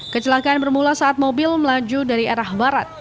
kecelakaan bermula saat mobil melaju dari arah barat